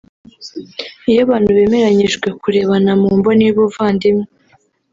iyo abantu bemeranyijwe kurebana mu mboni y’ubuvandimwe